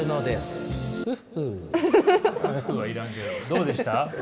どうでした？